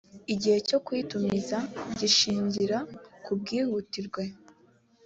igihe cyo kuyitumiza gishingira ku bwihutirwe